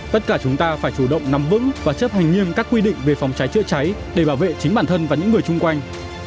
tất cả chúng ta phải chủ động nắm vững và chấp hành nghiêm các quy định về phòng cháy chữa cháy để bảo vệ chính bản thân và những người chung quanh